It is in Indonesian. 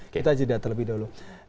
kita jadilah terlebih dahulu